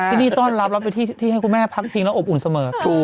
ที่นี่ต้อนรับแล้วเป็นที่ให้คุณแม่พักพิงแล้วอบอุ่นเสมอ